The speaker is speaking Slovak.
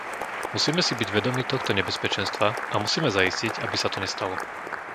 Musíme si byť vedomí tohto nebezpečenstva a musíme zaistiť, aby sa to nestalo.